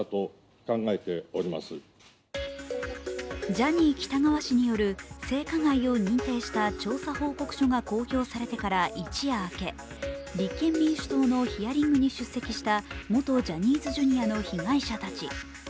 ジャニー喜多川氏による性加害を認定した調査報告書が公表されてから一夜明け立憲民主党のヒアリングに出席した元ジャニーズＪｒ．の被害者たち。